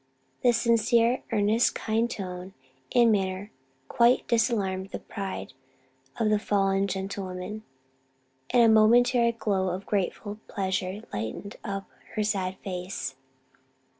The sincere, earnest, kindly tone and manner quite disarmed the pride of the fallen gentlewoman, and a momentary glow of grateful pleasure lighted up her sad face.